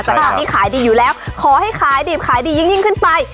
แต่ตอนนี้ขายดีอยู่แล้วขอให้ขายดิบขายดียิ่งขึ้นไป